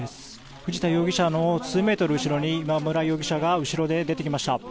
藤田容疑者の数メートル後ろに今村容疑者が出てきました。